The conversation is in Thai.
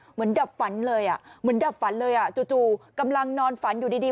เหมือนดับฝันเลยจู่กำลังนอนฝันอยู่ดี